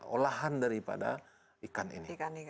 olahan daripada ikan ini